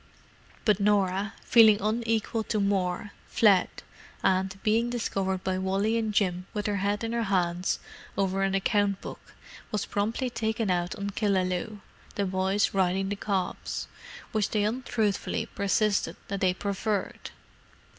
But Norah, feeling unequal to more, fled, and, being discovered by Wally and Jim with her head in her hands over an account book, was promptly taken out on Killaloe—the boys riding the cobs, which they untruthfully persisted that they preferred.